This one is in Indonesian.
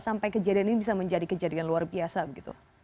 sampai kejadian ini bisa menjadi kejadian luar biasa begitu